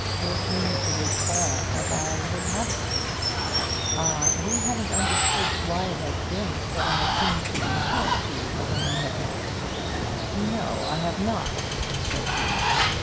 With me it is all as I would have it be. Ah; you haven't understood why it has been that I have seemed to be harsh to you when we have met." "No, I have not," said he.